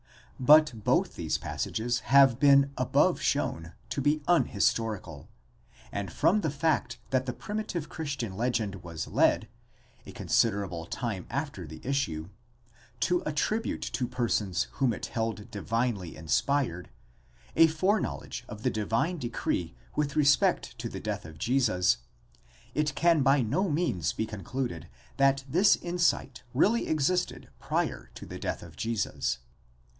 But both these passages have been above shown to be unhistorical, and from the fact that the primitive Christian legend was led, a considerable time after the issue, to attribute to persons whom it held divinely inspired, a foreknowledge of the divine decree with respect to the death of Jesus, it can by no means be concluded, that this insight really existed prior to the death of Jesus.